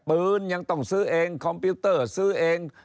ปืนยังต้องซื้อเองคอมพิวเตอร์ซื้อเอง